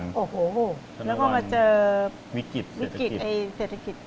แล้วก็มาเจอวิกฤตเศรษฐกิจ